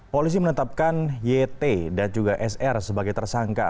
polisi menetapkan yt dan juga sr sebagai tersangka